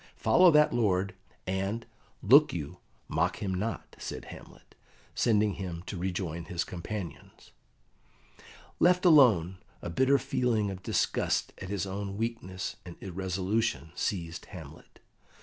Follow that lord, and, look you, mock him not," said Hamlet, sending him to rejoin his companions. Left alone, a bitter feeling of disgust at his own weakness and irresolution seized Hamlet.